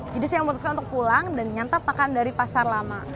jadi saya memutuskan untuk pulang dan nyantap makan dari pasar lama